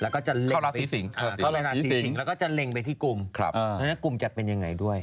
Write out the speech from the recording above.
เข้าราศรีสิงแล้วก็จะเล็งไปที่กลุ่มแล้วนั่นกลุ่มจะเป็นยังไงด้วย